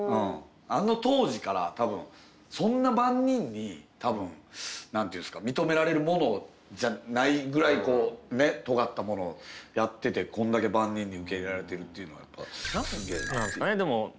あの当時から多分そんな万人に何て言うんですか認められるものじゃないぐらいこうとがったものをやっててこんだけ万人に受け入れられてるっていうのやっぱすげえなっていう。